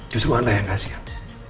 justru anda yang kasian